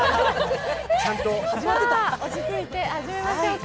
落ち着いて始めましょうか。